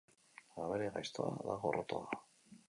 Abere gaiztoa da gorrotoa.